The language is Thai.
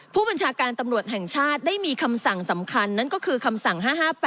ผู้บัญชาการตำรวจแห่งชาติได้มีคำสั่งสำคัญนั่นก็คือคำสั่ง๕๕๘